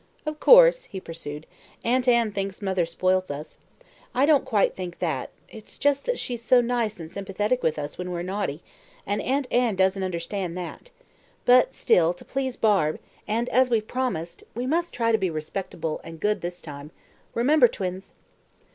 "Of course," he pursued, "Aunt Anne thinks mother spoils us. I don't quite think that it's just that she's so nice and sympathetic with us when we're naughty, and Aunt Anne doesn't understand that. But still, to please Barbe, and as we've promised, we must try to be respectable and good this time. Remember, twins!"